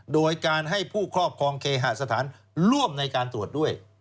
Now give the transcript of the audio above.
โดยการให้ผู้ครอบครองเคหสถานร่วมในการตรวจด้วย